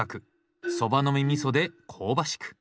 そばの実みそで香ばしく。